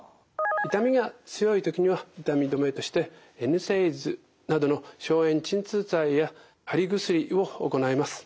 痛みが強い時には痛み止めとしてＮＳＡＩＤｓなどの消炎鎮痛剤や貼り薬を行います。